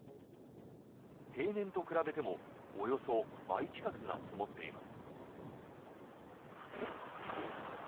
平年と比べてもおよそ倍近くが積もっています。